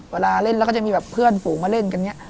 เวลาเล่นแล้วก็จะมีแบบเพื่อนฝูงมาเล่นกันเนี่ย